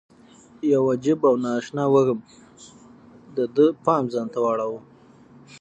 یو عجیب او نا اشنا وږم د ده پام ځان ته واړاوه.